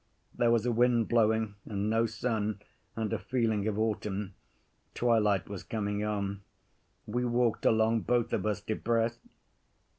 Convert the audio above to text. There was a wind blowing and no sun, and a feeling of autumn; twilight was coming on. We walked along, both of us depressed.